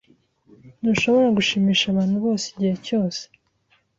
Ntushobora gushimisha abantu bose igihe cyose.